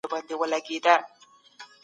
ملکیت د بشر د غریزو برخه ده.